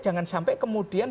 jangan sampai kemudian